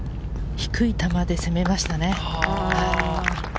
低い球で攻めましたね。